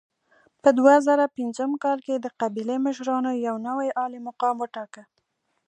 په دوه زره پنځم کال کې د قبیلې مشرانو یو نوی عالي مقام وټاکه.